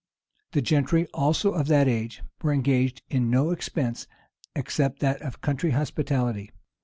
The gentry also of that age were engaged in no expense, except that of country hospitality.